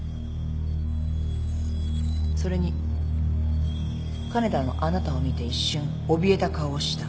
それに金田もあなたを見て一瞬おびえた顔をした。